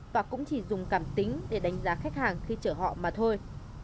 và cũng chỉ dùng cảm tính để đánh giá khách hàng khi chở họ mà thôi